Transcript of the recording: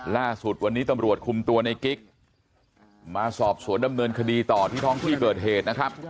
ล่าสุดวันนี้ตำรวจคุมตัวในกิ๊กมาสอบสวนดำเนินคดีต่อที่ท้องที่เกิดเหตุนะครับ